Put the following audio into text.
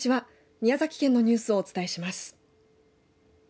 宮崎県のニュースをお伝えします。